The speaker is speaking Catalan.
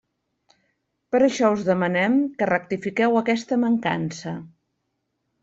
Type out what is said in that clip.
Per això us demanem que rectifiqueu aquesta mancança.